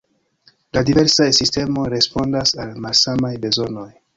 La diversaj sistemoj respondas al malsamaj bezonoj.